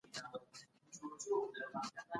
د تایید لپاره تل نوي دلایل لټول کېږي.